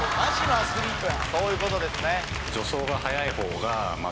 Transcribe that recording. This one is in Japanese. そういうことですねはず